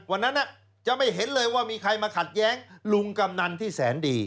วันนั้นจะไม่เห็นเลยว่ามีใครมาขัดแย้งลุงกำนันที่แสนดี